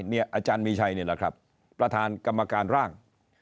อาจารย์มีชัยนี่แหละครับประธานกรรมการร่าง